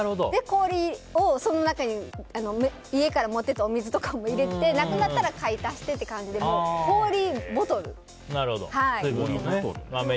氷をその中に家から持って行ってお水とかを入れてなくなったら買い足してって感じで、氷ボトル。